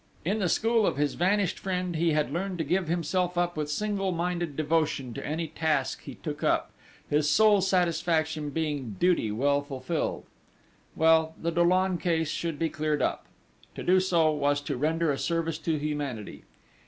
In the school of his vanished friend he had learned to give himself up with single minded devotion to any task he took up; his sole satisfaction being duty well fulfilled.... Well, the Dollon case should be cleared up!... To do so was to render a service to humanity!